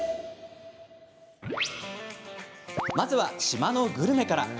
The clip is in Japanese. まずは、島のグルメから。